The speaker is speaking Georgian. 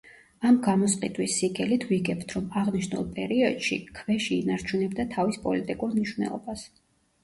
ამ გამოსყიდვის სიგელით ვიგებთ, რომ აღნიშნულ პერიოდში ქვეში ინარჩუნებდა თავის პოლიტიკურ მნიშვნელობას.